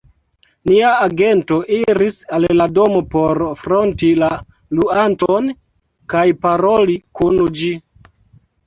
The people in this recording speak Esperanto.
nia agento iris al la domo por fronti la luanton kaj paroli kun ĝi.